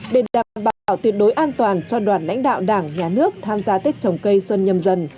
để đảm bảo tuyệt đối an toàn cho đoàn lãnh đạo đảng nhà nước tham gia tết trồng cây xuân nhâm dần